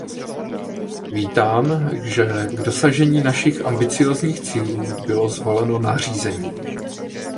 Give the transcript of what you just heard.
Vítám, že k dosažení našich ambiciózních cílů bylo zvoleno nařízení.